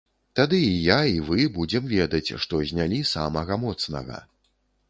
Тады і я, і вы будзем ведаць, што знялі самага моцнага.